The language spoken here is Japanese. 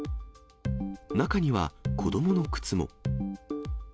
中には、子どもの靴も。